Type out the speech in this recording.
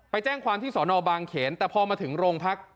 แจ้งความที่สอนอบางเขนแต่พอมาถึงโรงพัก